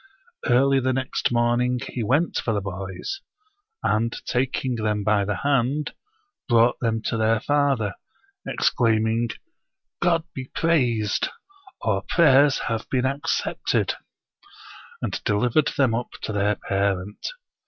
Early the next morning he went for the boys, and taking them by 25 Oriental Mystery Stories the hand, brought them to their father, exclaiming, " God be praised ! our prayers have been accepted "; and deliv ered them up to their parent.